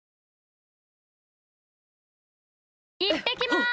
いってきます！